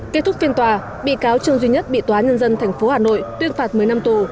kết thúc phiên tòa bị cáo trương duy nhất bị tòa án nhân dân tp hà nội tuyên phạt một mươi năm tù